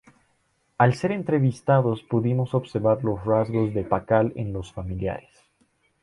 Al ser entrevistado pudimos observar los rasgos de Pakal en los familiares.